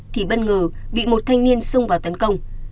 thì bất ngờ bị một thanh niên sung vào tấn công